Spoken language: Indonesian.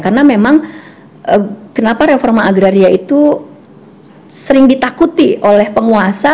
karena memang kenapa reforma agraria itu sering ditakuti oleh penguasa